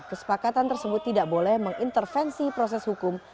kesepakatan tersebut tidak boleh mengintervensi proses hukum